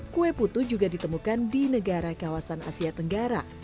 kue putu juga ditemukan di negara kawasan asia tenggara